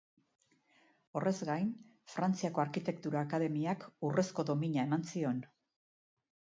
Horrez gain, Frantziako Arkitektura Akademiak urrezko domina eman zion.